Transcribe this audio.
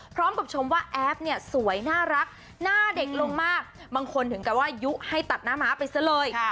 ชมว่าแอฟเนี่ยสวยน่ารักหน้าเด็กลงมากบางคนถึงกับว่ายุให้ตัดหน้าม้าไปซะเลย